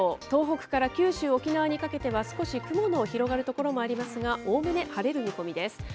東北から九州、沖縄にかけては、少し雲の広がる所もありますが、おおむね晴れる見込みです。